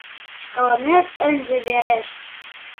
Шкаланет ынже верешт.